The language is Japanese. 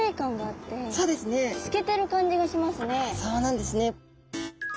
あそうなんですね。